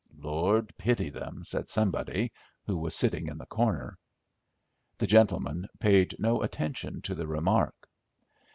"Lord pity them," said somebody, who was sitting in the corner. The gentleman paid no attention to the remark.